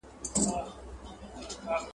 چي ناهیده پکښی سوځي چي د حق چیغه زیندۍ ده !.